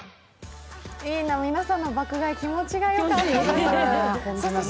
いいな、皆さんの爆買い、気持ちがよかったです。